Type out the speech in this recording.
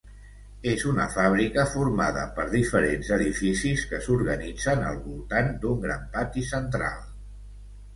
És una fàbrica formada per diferents edificis que s'organitzen al voltant d'un gran pati central.